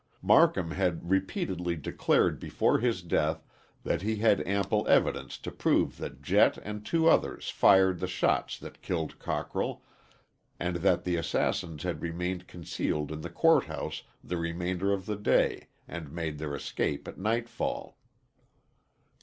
Marcum had repeatedly declared before his death that he had ample evidence to prove that Jett and two others fired the shots that killed Cockrell, and that the assassins had remained concealed in the court house the remainder of the day and made their escape at nightfall.